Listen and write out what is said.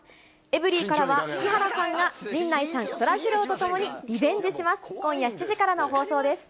エブリィからは、木原さんが、陣内さん、そらジローと共にリベンジします。